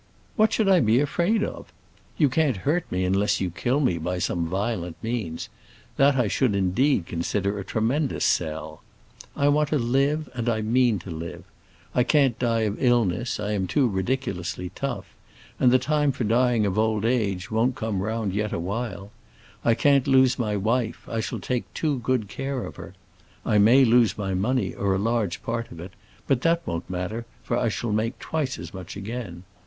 "What should I be afraid of? You can't hurt me unless you kill me by some violent means. That I should indeed consider a tremendous sell. I want to live and I mean to live. I can't die of illness, I am too ridiculously tough; and the time for dying of old age won't come round yet a while. I can't lose my wife, I shall take too good care of her. I may lose my money, or a large part of it; but that won't matter, for I shall make twice as much again.